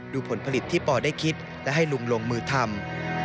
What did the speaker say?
ผลผลิตที่ปอได้คิดและให้ลุงลงมือทำ